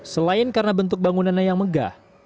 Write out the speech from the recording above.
selain karena bentuk bangunannya yang megah